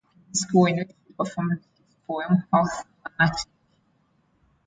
A Music War", in which he performed his poem "Health Fanatic".